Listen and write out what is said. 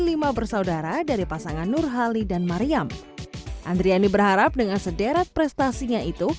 lima bersaudara dari pasangan nurhali dan mariam andriani berharap dengan sederet prestasinya itu